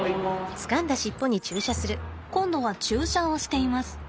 今度は注射をしています。